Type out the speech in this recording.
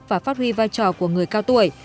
và phát huy vai trò của người cao tuổi